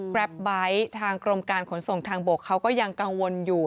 รับไบท์ทางกรมการขนส่งทางบกเขาก็ยังกังวลอยู่